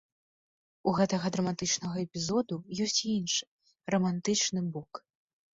У гэтага драматычнага эпізоду ёсць і іншы, рамантычны бок.